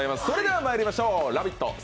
それではまいりましょう、「ラヴィット！」